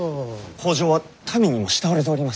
北条は民にも慕われております。